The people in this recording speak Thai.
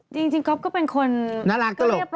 จริงครั้งนี้ก็เป็นคนน่ารักตลก